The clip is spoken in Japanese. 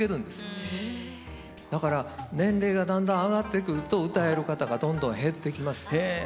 だから年齢がだんだん上がってくるとうたえる方がどんどん減ってきます。